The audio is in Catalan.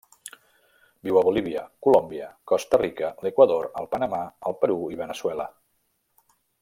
Viu a Bolívia, Colòmbia, Costa Rica, l'Equador, el Panamà, el Perú i Veneçuela.